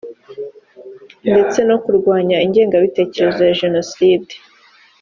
ndetse no kurwanya ingengabitekerezo ya jenoside